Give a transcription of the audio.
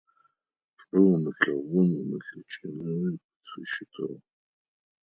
ШӀу умылъэгъун умылъэкӀынэуи къытфыщытыгъ.